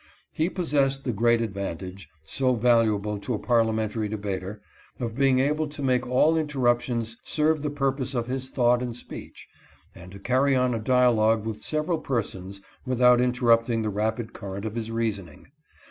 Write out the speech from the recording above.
He possessed the great advantage, so valuable to a Parliamentary debater, of being able to make all inter ruptions serve the purpose of his thought and speech, and to carry on a dialogue with several persons without interrupting the rapid current of his reasoning.